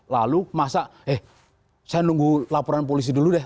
lalu masa eh saya nunggu laporan polisi dulu deh